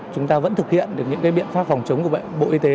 chúng ta vẫn thực hiện được những biện pháp phòng chống của bệnh bộ y tế